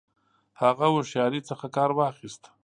هغه هوښیاري څخه کار واخیست.